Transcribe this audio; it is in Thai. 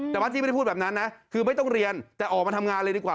แต่ว่าที่ไม่ได้พูดแบบนั้นนะคือไม่ต้องเรียนแต่ออกมาทำงานเลยดีกว่า